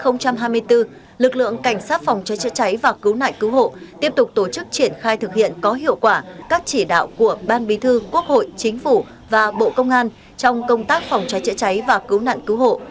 năm hai nghìn hai mươi bốn lực lượng cảnh sát phòng cháy chữa cháy và cứu nạn cứu hộ tiếp tục tổ chức triển khai thực hiện có hiệu quả các chỉ đạo của ban bí thư quốc hội chính phủ và bộ công an trong công tác phòng cháy chữa cháy và cứu nạn cứu hộ